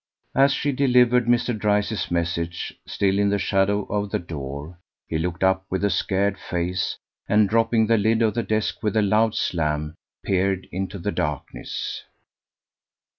As she delivered Mr. Dryce's message, still in the shadow of the door, he looked up with a scared face, and dropping the lid of the desk with a loud slam, peered into the darkness.